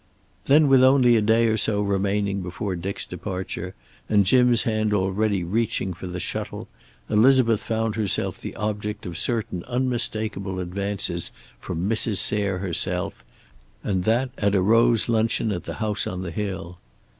Then, with only a day or so remaining before Dick's departure, and Jim's hand already reaching for the shuttle, Elizabeth found herself the object of certain unmistakable advances from Mrs. Sayre herself, and that at a rose luncheon at the house on the hill.